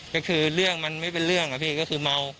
ก็คือเรื่องมันไม่เป็นเรื่องอะพี่ก็คือเมา